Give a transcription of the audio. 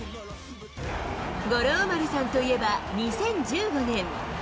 五郎丸さんといえば２０１５年。